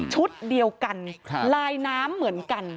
ชุดเดียวกันลายน้ำเหมือนกัน